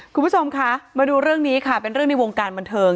คุณผู้ชมคะมาดูเรื่องนี้ค่ะเป็นเรื่องในวงการบันเทิง